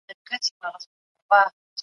میلاټونین د شپې د کار پر مهال اغېزمن دی.